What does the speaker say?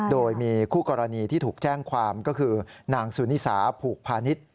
โดยมีคู่กรณีที่ถูกแจ้งความก็คือนางสุนิสาผูกพาณิชย์